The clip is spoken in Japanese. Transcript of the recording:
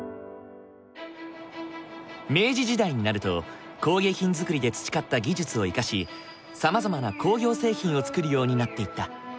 明治時代になると工芸品作りで培った技術を生かしさまざまな工業製品を作るようになっていった。